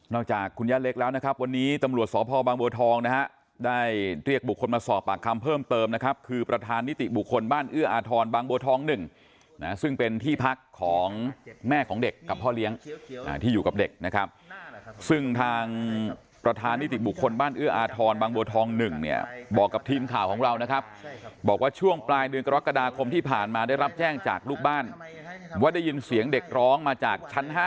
นอกจากคุณยาเล็กแล้วนะครับวันนี้ตำรวจสอบภบางบวทองนะฮะได้เรียกบุคคลมาสอบปากคำเพิ่มเติมนะครับคือประธานนิติบุคคลบ้านเอื้ออาทรบางบวทอง๑ซึ่งเป็นที่พักของแม่ของเด็กกับพ่อเลี้ยงที่อยู่กับเด็กนะครับซึ่งทางประธานนิติบุคคลบ้านเอื้ออาทรบางบวทอง๑เนี่ยบอกกับทีมข่าวของเรานะครับบอก